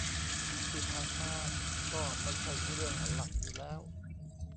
ที่ผ่านมาก็ไม่ใช่เรื่องหลักอยู่แล้ว